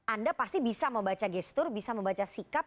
anda pasti bisa membaca gestur bisa membaca sikap